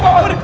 pak pak pak